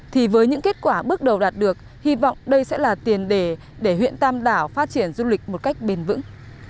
thì với những kết quả bước đầu đạt được hy vọng đây sẽ là tiền đề để huyện tam đảo phát triển du lịch một cách bền vững